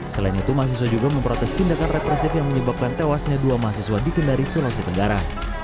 selain itu mahasiswa juga memprotes tindakan represif yang menyebabkan tewasnya dua mahasiswa di kendari sulawesi tenggara